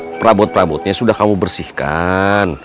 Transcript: nah perabot perabotnya sudah kamu bersihkan